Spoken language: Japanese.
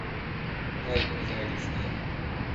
はい、うざいですね